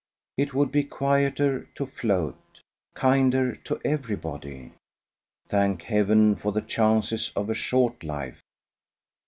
It would be quieter to float, kinder to everybody. Thank heaven for the chances of a short life!